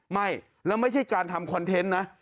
ไม่แล้วไม่ใช่การทำคอนเทนต์นะ